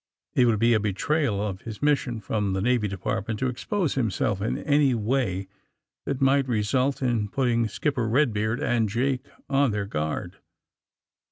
It would be a betrayal of his mission from the Na^^ Department to expose himself in any way that might result in putting Skipper Eedbeard and Jake on their guard.